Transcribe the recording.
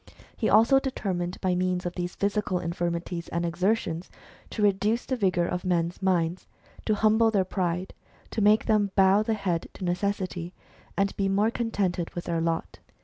He also determined by means of these physical infir mities and exertions, to reduce the vigour of men's 6 HISTORY OF THE HUMAN RACE. minds, to humble tlieir pride, to make them bow the head to necessity, and be more contented with their lot.